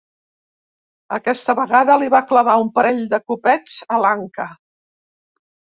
Aquesta vegada li va clavar un parell de copets a l'anca.